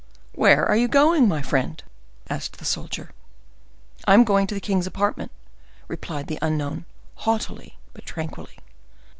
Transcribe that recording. "Where are you going, my friend?" asked the soldier. "I am going to the king's apartment," replied the unknown, haughtily, but tranquilly.